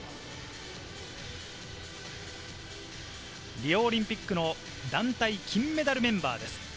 リオオリンピックの団体金メダルメンバーです。